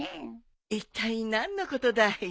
いったい何のことだい？